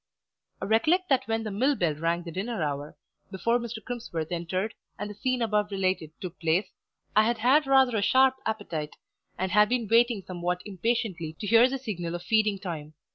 I recollect that when the mill bell rang the dinner hour, before Mr. Crimsworth entered, and the scene above related took place, I had had rather a sharp appetite, and had been waiting somewhat impatiently to hear the signal of feeding time.